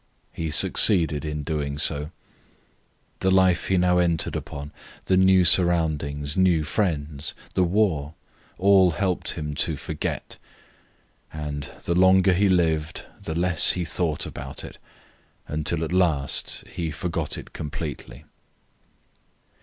He succeeded in doing so. The life he was now entering upon, the new surroundings, new friends, the war, all helped him to forget. And the longer he lived, the less he thought about it, until at last he forgot it completely.